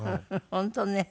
本当ね。